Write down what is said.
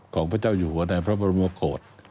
ของพระเจ้าอยู่หัวในพระบรมกฏ